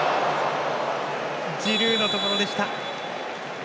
ジルーのところでした。